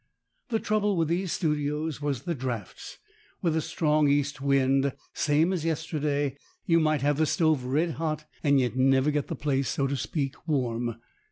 The trouble with these studios was the draughts. With a strong east wind, same as yesterday, you might have the stove red hot, and yet never get the place, so to speak, warm.